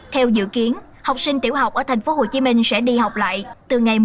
theo dự kiến học sinh tiểu học ở tp hcm sẽ đi học lại từ ngày một mươi một tháng năm